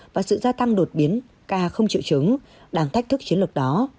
và sự gia tăng đột biến ca không triệu chứng đang thách thức chiến lược đó